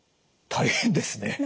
大変ですね。